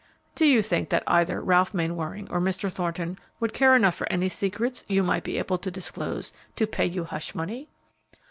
"Do you think that either Ralph Mainwaring or Mr. Thornton would care enough for any secrets you might be able to disclose to pay you hush money?"